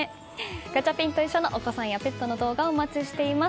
ガチャピンといっしょ！のお子さんやペットの動画お待ちしております。